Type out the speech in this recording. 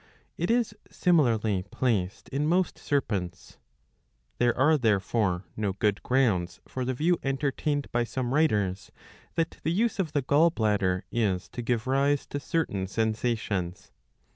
It is similarly placed in most serpents. There are therefore^ no good grounds for the view entertained by some writers, that the use of the gall bladder is to give rise to certain sensations.